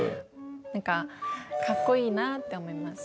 何かかっこいいなって思います。